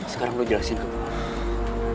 sekarang lo jelasin ke gue